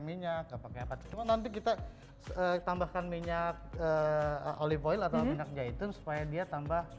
minyak pakai apa cuma nanti kita tambahkan minyak olivoil atau minyak jahitung supaya dia tambah